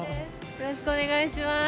よろしくお願いします。